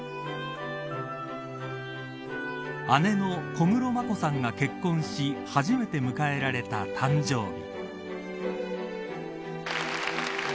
姉の小室眞子さんが結婚し初めて迎えられた誕生日。